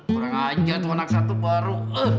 kurang aja tuh anak satu baru